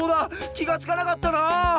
きがつかなかったな。